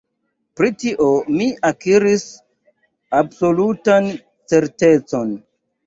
Pri tio mi akiris absolutan certecon.